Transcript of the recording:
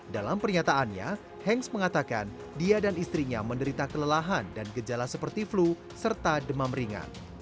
dalam pernyataannya hanks mengatakan dia dan istrinya menderita kelelahan dan gejala seperti flu serta demam ringan